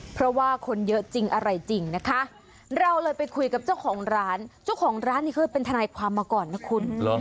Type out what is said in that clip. เพราะว่าคนเยอะจริงอะไรจริงนะคะเราเลยไปคุยกับเจ้าของร้านเจ้าของร้านนี้เคยเป็นทนายความมาก่อนนะคุณ